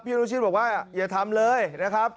อนุชิตบอกว่าอย่าทำเลยนะครับ